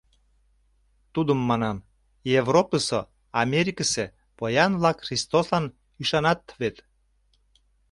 Тудым манам: Европысо, Америкысе поян-влак Христослан ӱшанат вет!